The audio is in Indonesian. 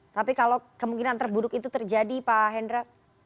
tapi kalau kemungkinan terburuk itu terjadi pak hendra